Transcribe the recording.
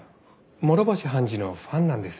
諸星判事のファンなんです。